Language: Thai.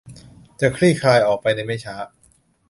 จะคลี่คลายออกไปในไม่ช้า